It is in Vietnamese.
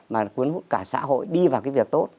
mà cuốn hút cả xã hội đi vào cái việc tốt